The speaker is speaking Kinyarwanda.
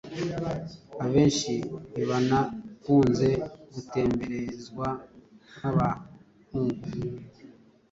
Abenshi ntibanakunze gutemberezwa nk’abahungu.